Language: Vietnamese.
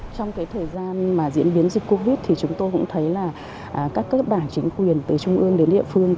trong thời gian diễn biến dịch covid chúng tôi cũng thấy các bảng chính quyền từ trung ương đến địa phương